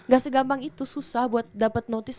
gak segampang itu susah buat dapet notice